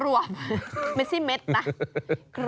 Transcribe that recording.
รวมไม่ใช่เม็ดนะ